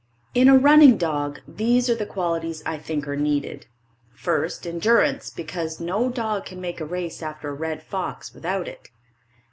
In a running dog these are the qualities I think are needed. First, endurance, because no dog can make a race after a red fox without it.